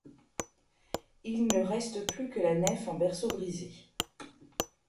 Il ne reste plus que la nef en berceau brisé.